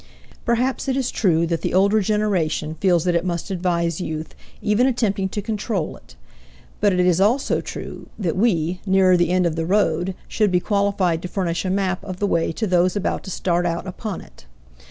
Perhaps it is true that the older generation feels that it must advise youth, even attempting to control it; but it is also true that we, nearer the end of the road, should be qualified to furnish a map of the way to those about to start out upon it.